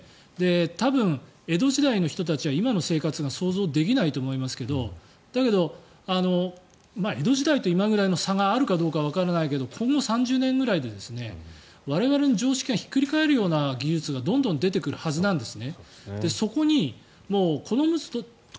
多分、江戸時代の人たちは今の生活が想像できないと思いますがだけど江戸時代と今ぐらいの差があるかどうかわからないけど今後３０年くらいで我々の常識がひっくり返るような技術がどんどん出てくるはずなんです。